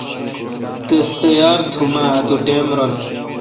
تس تیار تھم اؘ اتو ٹائم رل۔